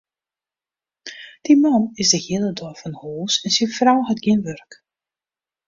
Dy man is de hiele dei fan hûs en syn frou hat gjin wurk.